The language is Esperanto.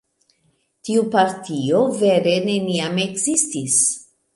Tiu partio vere neniam ekzistis.